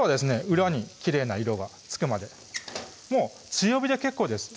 裏にきれいな色がつくまで強火で結構です